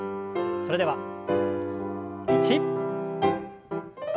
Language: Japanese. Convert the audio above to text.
それでは１。